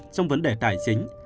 trong vấn đề tài chính